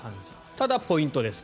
ただポイントです。